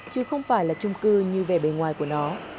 chứ không phải là trung cư như về bề ngoài của nó